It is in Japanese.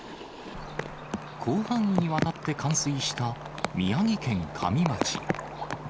広範囲にわたって冠水した宮城県加美町。